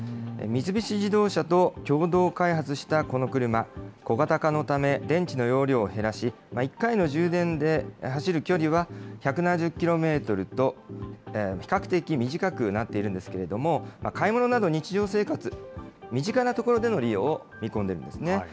三菱自動車と共同開発したこの車、小型化のため、電池の容量を減らし、１回の充電で走る距離は１７０キロメートルと、比較的短くなっているんですけれども、買い物など日常生活、身近なところでの利用を見込んでいるんですね。